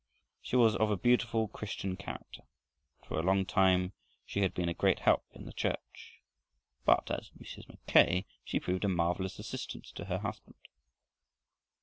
She was of a beautiful Christian character and for a long time she had been a great help in the church. But as Mrs. Mackay she proved a marvelous assistance to her husband.